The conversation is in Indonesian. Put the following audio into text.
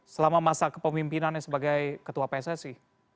selama masa kepemimpinannya sebagai ketua pssi